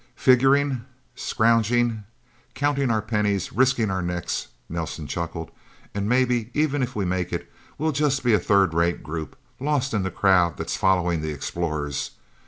"Figuring, scrounging, counting our pennies, risking our necks," Nelsen chuckled. "And maybe, even if we make it, we'll be just a third rate group, lost in the crowd that's following the explorers...